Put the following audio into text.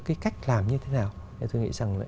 cái cách làm như thế nào thì tôi nghĩ rằng là